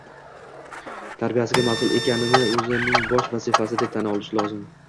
tarbiyasiga mas’ul ekanini o‘zining bosh vazifasi deb tan olishi lozim.